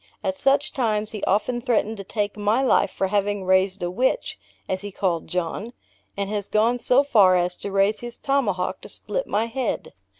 At such times he often threatened to take my life for having raised a witch, (as he called John,) and has gone so far as to raise his tomahawk to split my head.